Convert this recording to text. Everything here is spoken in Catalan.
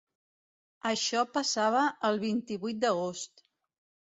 Això passava el vint-i-vuit d’agost.